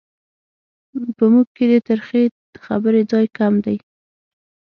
په موږ کې د ترخې خبرې ځای کم دی.